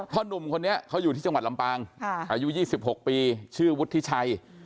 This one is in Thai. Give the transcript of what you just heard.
หนุ่มคนนี้เขาอยู่ที่จังหวัดลำปางอายุ๒๖ปีชื่อวุฒิชัย